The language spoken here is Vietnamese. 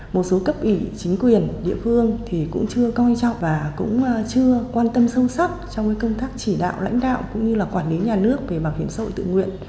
một số cấp ủy chính quyền địa phương thì cũng chưa coi trọng và cũng chưa quan tâm sâu sắc trong công tác chỉ đạo lãnh đạo cũng như là quản lý nhà nước về bảo hiểm xã hội tự nguyện